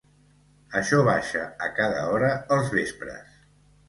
Això baixa a cada hora els vespres.